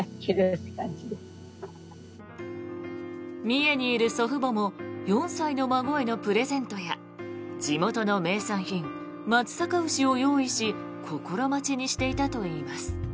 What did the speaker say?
三重にいる祖父母も４歳の孫へのプレゼントや地元の名産品、松阪牛を用意し心待ちにしていたといいます。